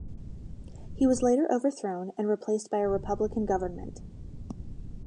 He was later overthrown and replaced by a republican government.